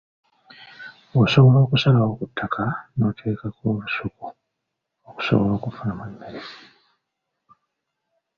Osobola okusalawo ku ttaka n’oteekako olusuku okusobola okufunamu emmere.